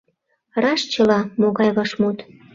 Раш чыла — могай вашмут